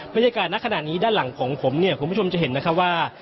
บรรยากาศนัดขนาดนี้ด้านหลังของผมเนี่ยคุณผู้ชมจะเห็นนะคะว่า